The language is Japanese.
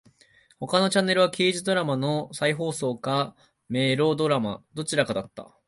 他のチャンネルは刑事ドラマの再放送かメロドラマ。どちらかだった。